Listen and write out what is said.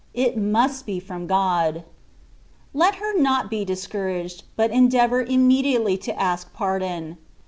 It must be from God ), let her not be discouraged, but endeavour imme diately to ask pardon.